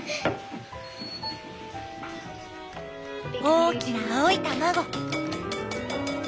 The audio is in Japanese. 大きな青い卵！